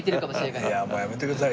いやもうやめてください。